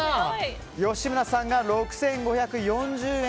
吉村さんが、６５４０円。